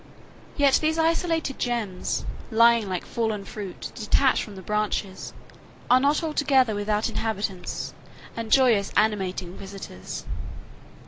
Yet these isolated gems, lying like fallen fruit detached from the branches, are not altogether without inhabitants and joyous, animating visitors.